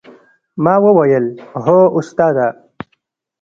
ما وويل هو استاده.